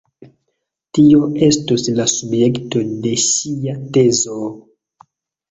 Tio estos la subjekto de ŝia tezo...